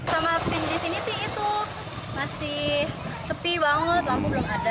sama pin di sini sih itu masih sepi banget lampu belum ada